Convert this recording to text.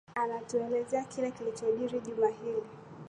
anatuelezea kile kilichojiri juma hili